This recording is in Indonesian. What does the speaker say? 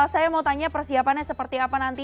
saya mau tanya persiapannya seperti apa nanti